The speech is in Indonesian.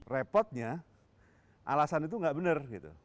repotnya alasan itu nggak benar gitu